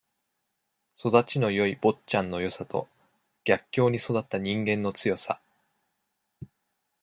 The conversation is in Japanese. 育ちのよい坊ちゃんのよさと、逆境に育った人間の強さ。